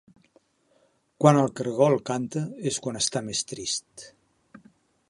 Quan el caragol canta és quan està més trist.